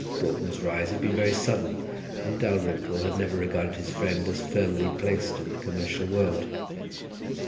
Broughton's rise had been very sudden, and Dalrymple had never regarded his friend as firmly placed in the commercial world.